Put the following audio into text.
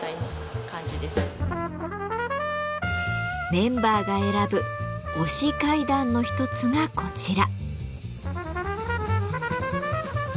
メンバーが選ぶオシ階段の一つがこちら。